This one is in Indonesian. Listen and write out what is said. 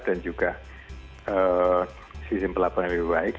dan juga sistem pelaburan lebih baik